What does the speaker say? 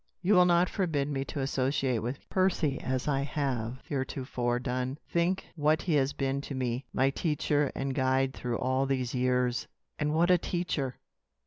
You will not forbid me to associate with Percy as I have heretofore done. Think what he has been to me my teacher and guide through all these years! And what a teacher!